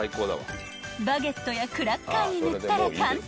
［バゲットやクラッカーに塗ったら簡単！］